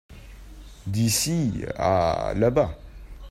D'ici à là-bas.